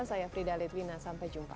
saya frida litwina sampai jumpa